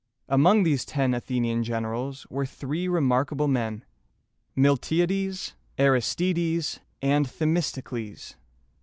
Among these ten Athenian generals were three remarkable men, Mil ti´a des, Ar is ti´des, and The mis´to cles.